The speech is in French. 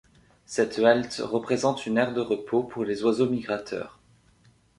Cette halte représente une aire de repos pour les oiseaux migrateurs.